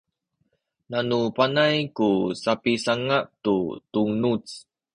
nanu panay ku sapisanga’ tu tunuz